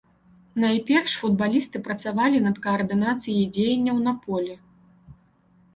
Найперш футбалісты працавалі над каардынацыяй дзеянняў на полі.